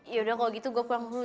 yaudah kalau gitu gue pulang dulu